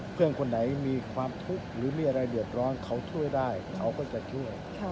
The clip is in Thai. เพื่อนคนไหนมีความทุกข์หรือมีอะไรเดือดร้อนเขาช่วยได้เขาก็จะช่วย